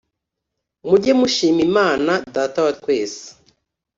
Mujye mushima Imana Data wa twese